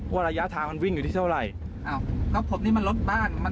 ระยะทางมันวิ่งอยู่ที่เท่าไหร่อ้าวแล้วผมนี่มันรถบ้านมัน